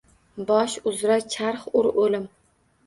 Bosh uzra charx ur, Oʼlim!